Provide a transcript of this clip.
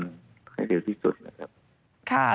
ในเดียวที่สุดนะครับ